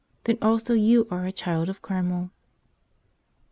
Then also you are a child of Carmel.